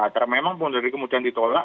karena memang pengunduran diri kemudian ditolak